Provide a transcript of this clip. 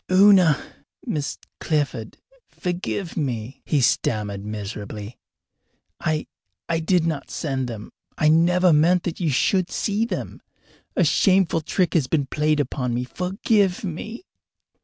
"Una Miss Clifford forgive me!" he stammered miserably. "I I did not send them. I never meant that you should see them. A shameful trick has been played upon me. Forgive me!"